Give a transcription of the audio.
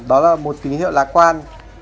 đó là một tín hiệu lạc quan